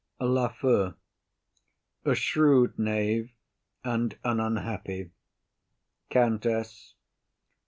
_] LAFEW. A shrewd knave, and an unhappy. COUNTESS.